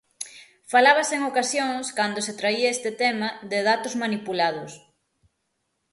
Falábase en ocasións, cando se traía este tema, de datos manipulados.